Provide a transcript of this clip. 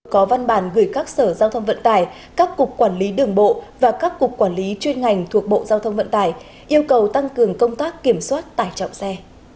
có văn bản gửi các sở giao thông vận tải các cục quản lý đường bộ và các cục quản lý chuyên ngành thuộc bộ giao thông vận tải yêu cầu tăng cường công tác kiểm soát tải trọng xe